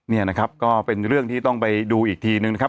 นี่นะครับก็เป็นเรื่องที่ต้องไปดูอีกทีนึงนะครับ